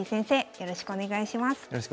よろしくお願いします。